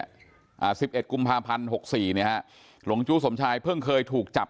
อ่าสิบเอ็ดกุมภาพันธ์หกสี่เนี้ยฮะหลงจู้สมชายเพิ่งเคยถูกจับ